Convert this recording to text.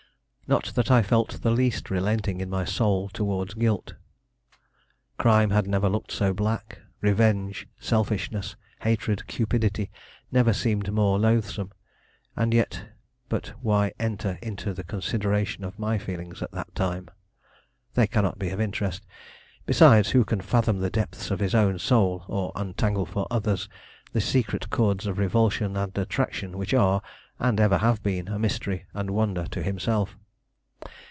Not that I felt the least relenting in my soul towards guilt. Crime had never looked so black; revenge, selfishness, hatred, cupidity, never seemed more loathsome; and yet but why enter into the consideration of my feelings at that time. They cannot be of interest; besides, who can fathom the depths of his own soul, or untangle for others the secret cords of revulsion and attraction which are, and ever have been, a mystery and wonder to himself?